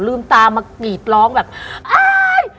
ลืมตามากรีดร้องแบบอาย